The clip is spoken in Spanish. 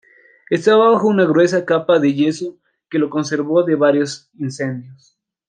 Estaba bajo una gruesa capa de yeso que lo conservó de varios incendios.